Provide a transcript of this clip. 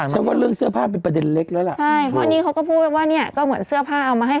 ตกลงจนไม่ได้